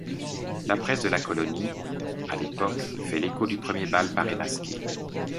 La presse de la colonie, à l'époque, fait l’écho du premier bal paré-masqué.